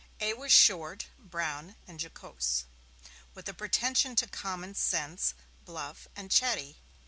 A. was short, brown and jocose, with a pretension to common sense; bluff and chatty.